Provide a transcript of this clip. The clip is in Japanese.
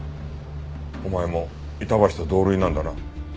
お前も板橋と同類なんだな。